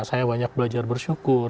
saya banyak belajar bersyukur